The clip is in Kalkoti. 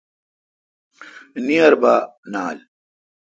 نیر با نال۔